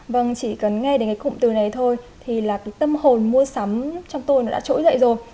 vâng chỉ cần nghe đến cái cụm từ này thôi thì là cái tâm hồn mua sắm trong tôi nó đã trỗi dậy rồi